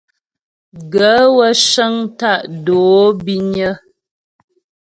Gaə̂ wə́ cə́ŋ tá' dǒ bínyə́.